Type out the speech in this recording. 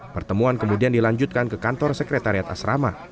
pertemuan kemudian dilanjutkan ke kantor sekretariat asrama